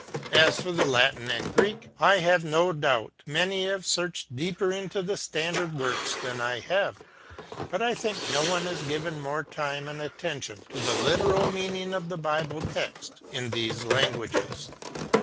As for the Latin and Greek, I have no doubt many have searched deeper into the standard works than I have, but I think no one has given more time and attention to the literal meaning of the Bible text in these languages.